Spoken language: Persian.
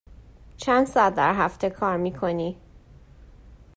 چند ساعت در هفته کار می کنی؟